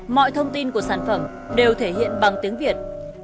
mọi thông tin của sản phẩm đều thể hiện bằng tiếng việt